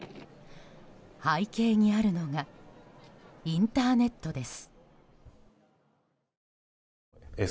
背景にあるのがインターネットです。